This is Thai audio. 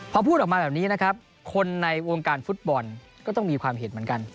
พอพูดออกมาแบบนี้นะครับคนในวงการฟุตบอลก็ต้องมีความเห็นเหมือนกัน